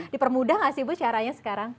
dipermudah nggak sih bu caranya sekarang